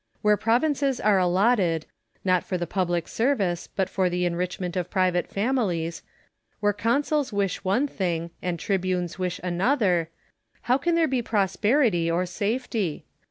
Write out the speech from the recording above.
Where provinces are allotted, not for the public service, but for the enrichment 320 IMA GINAR Y CONVERSA TJONS. of private families ; where consuls wish one thing, and tribunes wish another — how can there be prosperity or safety?